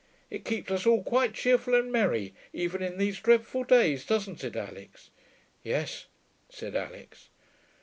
It keeps us all quite cheerful and merry, even in these dreadful days, doesn't it, Alix?' 'Yes,' said Alix.